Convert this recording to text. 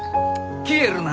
消えるな！